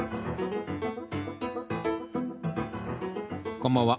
こんばんは。